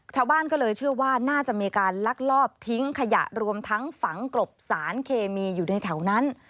ชาวบ้านก็เลยเชื่อว่าน่าจะมีการลักลอบทิ้งขยะรวมทั้งฝังกลบสารเคมีอยู่ในแถวนั้น